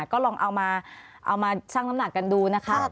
ก็ลองเอามาชั่งน้ำหนักกันดูนะคะ